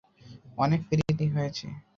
অনেক পিরিত হয়েছে।